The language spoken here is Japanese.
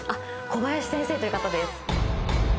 小林先生という方です